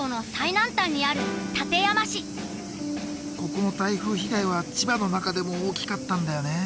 ここの台風被害は千葉の中でも大きかったんだよね。